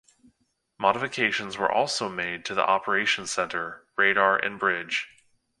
Modifications were also made to the operations center, radar and bridge.